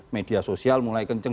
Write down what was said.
media sosial mulai kenceng